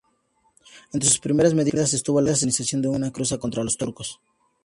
Entre sus primeras medidas estuvo la organización de una cruzada contra los turcos.